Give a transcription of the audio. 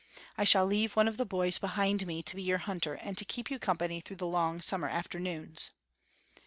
I shall leave one of the boys behind me to be your hunter and to keep you company through the long summer afternoons."